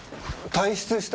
退室した？